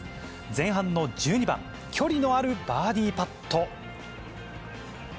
前半の１２番、距離のあるバーディーパット。